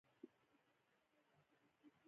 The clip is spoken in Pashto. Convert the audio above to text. احمدشاه بابا د افغانستان بنسټ ايښودونکی ګڼل کېږي.